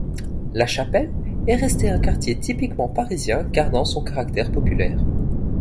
La Chapelle est resté un quartier typiquement parisien gardant son caractère populaire.